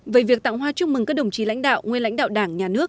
về việc tặng hoa chúc mừng các đồng chí lãnh đạo nguyên lãnh đạo đảng nhà nước